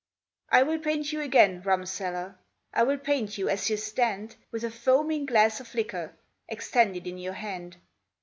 I will paint you again, rumseller, I will paint you as you stand, With a foaming glass of liquor Extended in your hand.